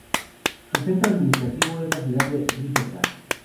Su centro administrativo es la ciudad de Rijeka.